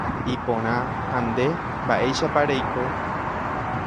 Iporã. Ha nde. Mba’éichapa reiko.